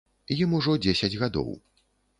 Ім ужо дзесяць гадоў.